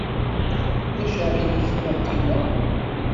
Ulac aɣilif ma qqimeɣ?